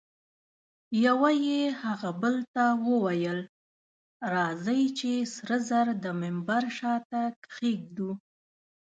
یوه یې هغه بل ته وویل: راځئ چي سره زر د منبر شاته کښېږدو.